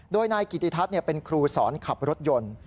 โดยนายกิติทัศน์เป็นครูสอนขับรถยนต์